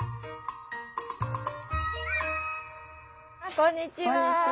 こんにちは！